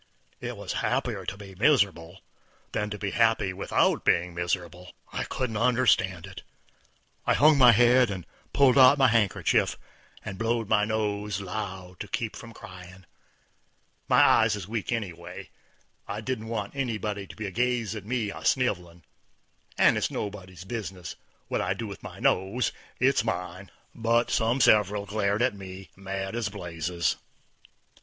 It was happier to be miserable than to be happy without being miserable. I couldn't understand it. I hung my head and pulled out my handkerchief, and blowed my nose loud to keep me from cryin'. My eyes is weak anyway; I didn't want anybody to be a gazin' at me a sniv'lin', and it's nobody's business what I do with my nose. It's mine. But some several glared at me mad as blazes.